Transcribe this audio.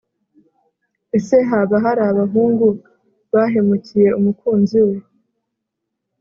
. Ese haba hari abahungu bahemukiye umukunzi we?